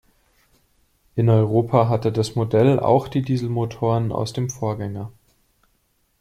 In Europa hatte das Modell auch die Dieselmotoren aus dem Vorgänger.